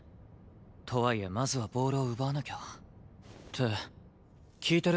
とはいえまずはボールを奪わなきゃ。って聞いてる？